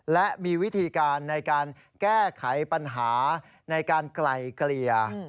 และมีวิธีการในการแก้ไขปัญหาในการไกลเกลี่ย